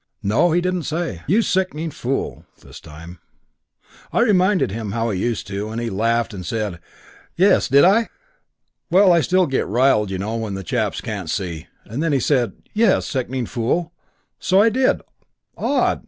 No, he didn't say, 'You sickening fool' this time. I reminded him how he used to, and he laughed and said, 'Yes; did I? Well, I still get riled, you know, when chaps can't see ' And then he said 'Yes, "sickening fool"; so I did; odd!'